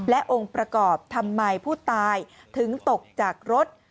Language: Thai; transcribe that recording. และองค์ประกอบทำไมผู้ตายถึงตกจากรถ